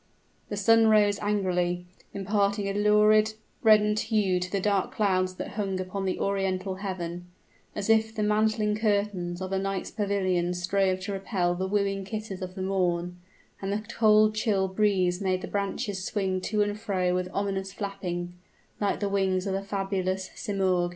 The sun rose angrily, imparting a lurid, reddened hue to the dark clouds that hung upon the Oriental heaven, as if the mantling curtains of a night's pavilion strove to repel the wooing kisses of the morn; and the cold chill breeze made the branches swing to and fro with ominous flapping, like the wings of the fabulous Simoorg.